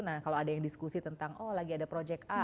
nah kalau ada yang diskusi tentang oh lagi ada proyek a